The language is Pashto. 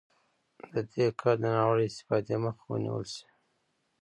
دا کار د ناوړه استفادې مخه ونیول شي.